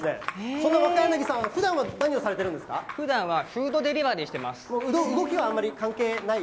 そんな若柳さん、ふだんは何をさふだんはフードデリバリーし動きはあまり関係ない？